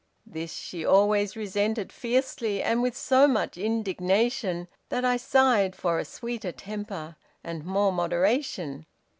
This she always resented fiercely, and with so much indignation that I sighed for a sweeter temper and more moderation.